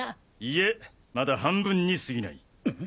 いえまだ半分に過ぎない。